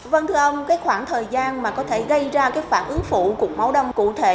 vâng thưa ông cái khoảng thời gian mà có thể gây ra cái phản ứng phụ cục máu đông cụ thể